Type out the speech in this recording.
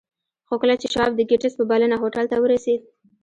خو کله چې شواب د ګیټس په بلنه هوټل ته ورسېد